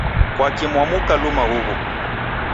Kwaki mwamuka luma huw'u?